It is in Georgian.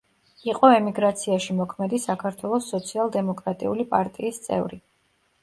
იყო ემიგრაციაში მოქმედი საქართველოს სოციალ-დემოკრატიული პარტიის წევრი.